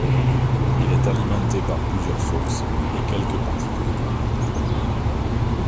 Il est alimenté par plusieurs sources et quelques petits cours d'eau.